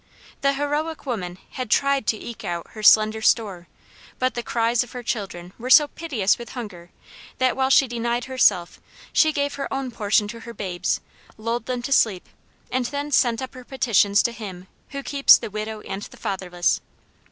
The heroic woman had tried to eke out her slender store, but the cries of her children were so piteous with hunger that while she denied herself, she gave her own portion to her babes, lulled them to sleep, and then sent up her petitions to Him who keeps the widow and the fatherless.